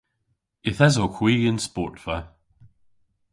Yth esowgh hwi y'n sportva.